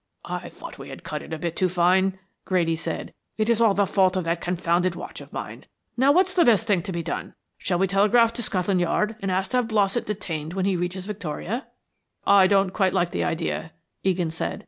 "I thought we had cut it a bit too fine," Grady said. "It is all the fault of that confounded watch of mine. Now what's the best thing to be done? Shall we telegraph to Scotland Yard and ask to have Blossett detained when he reaches Victoria?" "I don't quite like the idea," Egan said.